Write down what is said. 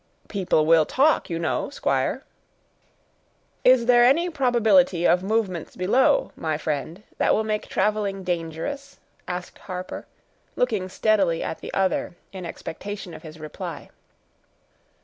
"People will talk, you know, 'squire." "Is there any probability of movements below, my friend, that will make traveling dangerous?" asked Harper, looking steadily at the other, in expectation of his reply.